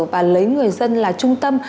và lấy người dân là trung tâm